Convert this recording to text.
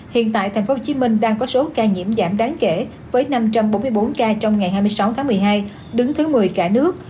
hiện tại tp hcm đang có số ca nhiễm giảm đáng kể với năm trăm bốn mươi bốn ca trong ngày hai mươi sáu tháng một mươi hai đứng thứ một mươi cả nước